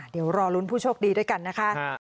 เดี๋ยวรอลุ้นผู้โชคดีด้วยกันนะคะ